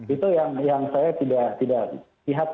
itu yang saya tidak lihat